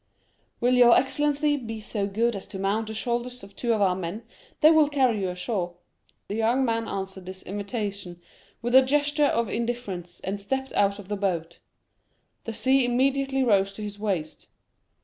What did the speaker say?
"Will your excellency be so good as to mount the shoulders of two of our men, they will carry you ashore?" The young man answered this invitation with a gesture of indifference, and stepped out of the boat; the sea immediately rose to his waist.